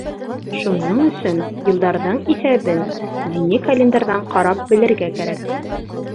Шуның өсөн йылдарҙың иҫәбен дини календарҙан ҡарап белергә кәрәк.